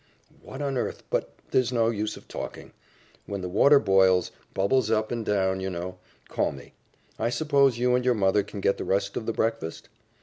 "What on earth but there's no use of talking. When the water boils bubbles up and down, you know call me. I suppose you and your mother can get the rest of the breakfast?